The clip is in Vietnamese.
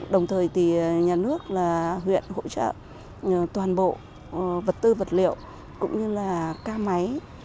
đồng thời nhà nước huyện hỗ trợ toàn bộ vật tư vật liệu cũng như ca máy